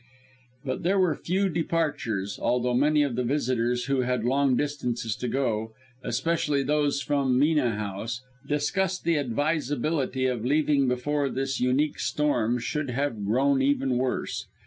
But there were few departures, although many of the visitors who had long distances to go, especially those from Mena House, discussed the advisability of leaving before this unique storm should have grown even worse.